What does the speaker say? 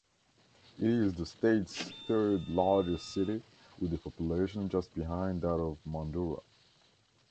It is the state's third-largest city, with a population just behind that of Mandurah.